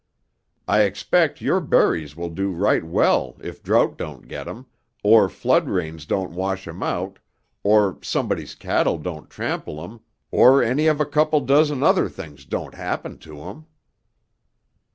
I expect your berries will do right well if drought don't get 'em, or flood rains don't wash 'em out, or somebody's cattle don't trample 'em, or any of a couple dozen other things don't happen to 'em."